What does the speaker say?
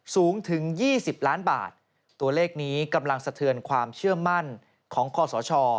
สูงถึง๒๐ล้านบาทตัวเลขนี้กำลังสะเทือนความเชื่อมั่นของคอสช